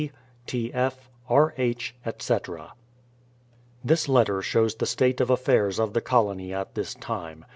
S. W. C. T. F. R. H. etc. This letter shows the state of affairs of the colony at this time.